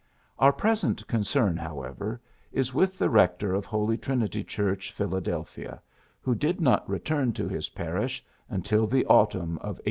Our present concern, however, is with the rector of Holy Trinity Church, Philadelphia, who did not return to his parish until the autumn of 1866.